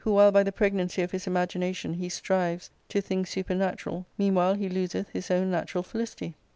'^ while by the pregnancy of his imagination he strives to things ^ supernatural, meanwhile he loseth his own natural felicity.